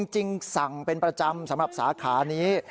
จริงสั่งเป็นประจำสำหรับสาขานี้